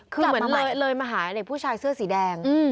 คือเหมือนเลยมาหาเด็กผู้ชายเสื้อสีแดง